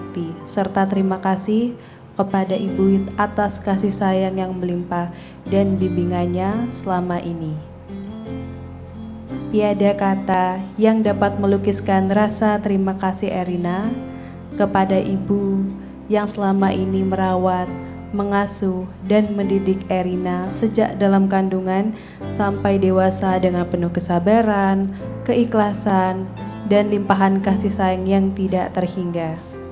tiada kata yang dapat melukiskan rasa terima kasih erina kepada ibu yang selama ini merawat mengasuh dan mendidik erina sejak dalam kandungan sampai dewasa dengan penuh kesabaran keikhlasan dan limpahan kasih sayang yang tidak terhingga